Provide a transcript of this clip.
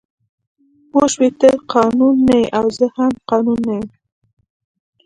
پوه شوې ته قانون نه یې او زه هم قانون نه یم